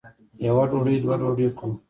یوه ډوډۍ دوه ډوډۍ کړو.